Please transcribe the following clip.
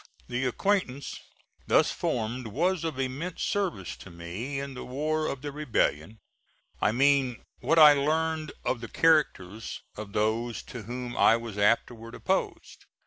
The acquaintance thus formed was of immense service to me in the war of the rebellion I mean what I learned of the characters of those to whom I was afterwards opposed.